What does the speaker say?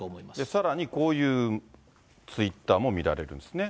さらにこういうツイッターも見られるんですね。